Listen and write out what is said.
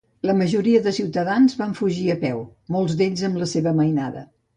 La majoria de ciutadans va fugir a peu, molts d'ells amb la seva mainada.